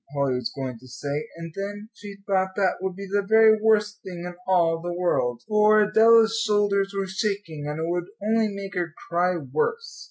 Polly was going to say. And then she thought that would be the very worst thing in all the world, for Adela's shoulders were shaking, and it would only make her cry worse.